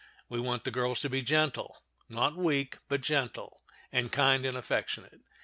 We want the girls to be gentle—not weak, but gentle—and kind and affectionate.